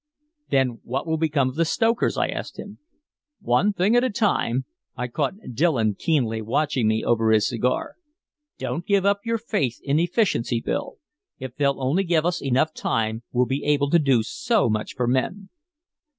"Then what will become of the stokers?" I asked him. "One thing at a time." I caught Dillon keenly watching me over his cigar. "Don't give up your faith in efficiency, Bill. If they'll only give us time enough we'll be able to do so much for men."